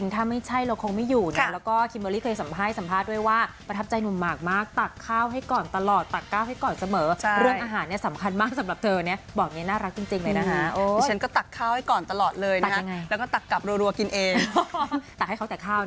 ถ้าไม่ใช่เราก็คงไม่อยู่มั้งไม่อยู่จนถึงวันนี้หรอก